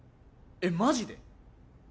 えっマジで？